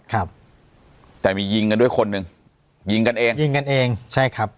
ครับแต่มียิงกันด้วยคนหนึ่งยิงกันเองยิงกันเองใช่ครับ